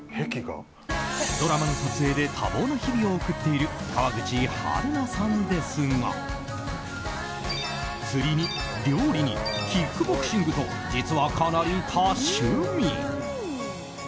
ドラマの撮影で多忙な日々を送っている川口春奈さんですが釣りに料理にキックボクシングと実は、かなり多趣味。